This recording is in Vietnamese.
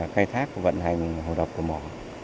khai thác vận hành hồ đập của mỏ